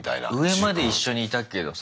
上まで一緒にいたけどさ